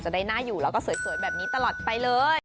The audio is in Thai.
ได้น่าอยู่แล้วก็สวยแบบนี้ตลอดไปเลย